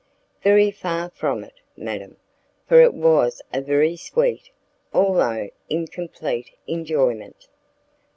"Very far from it, madam, for it was a very sweet, although incomplete, enjoyment."